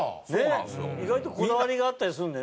意外とこだわりがあったりするんだよね。